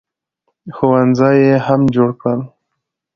ښوونځي یې هم جوړ کړل.